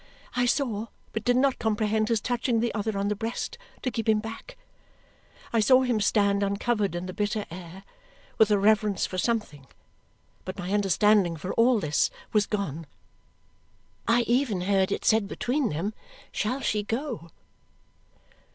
I saw but did not comprehend his touching the other on the breast to keep him back. I saw him stand uncovered in the bitter air, with a reverence for something. But my understanding for all this was gone. I even heard it said between them, "Shall she go?"